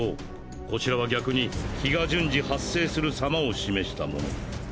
こちらは逆に気が順次発生する様を示したもの。